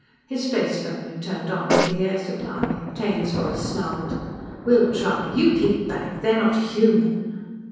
His space phone had turned on with the air supply. Taine's voice snarled: "_We'll try! You keep back! They are not human!